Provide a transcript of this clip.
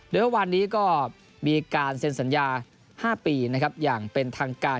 โดยวันนี้ก็มีการเซ็นสัญญา๕ปีนะครับอย่างเป็นทางการ